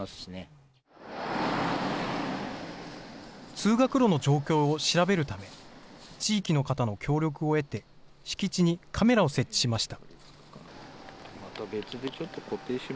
通学路の状況を調べるため、地域の方の協力を得て、敷地にカメラを設置しました。